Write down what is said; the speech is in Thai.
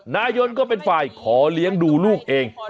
นายนก็เป็นฝ่ายขอเลี้ยงดูลูกเอง